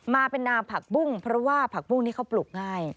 มาเป็นนาผักบุ้งเพราะว่าผักบุ้งนี้เขาปลูกง่าย